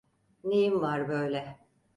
Neyin var böyle?